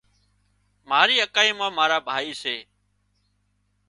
مارِي اڪائي مان مارا ڀائي سي